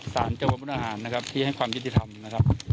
สารจังหวัดมุทหารนะครับที่ให้ความยุติธรรมนะครับ